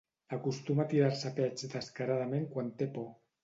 Acostuma a tirar-se pets descaradament quan té por.